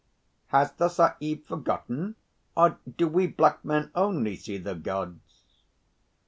"Has the Sahib forgotten; or do we black men only see the Gods?"